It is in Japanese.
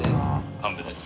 神部です。